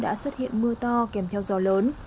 đã xuất hiện mưa to kèm theo gió lớn